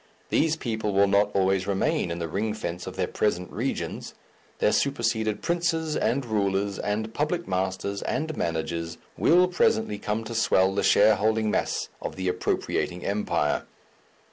These people will not always remain in the ring fence of their present regions; their superseded princes, and rulers, and public masters, and managers, will presently come to swell the shareholding mass of the appropriating Empire.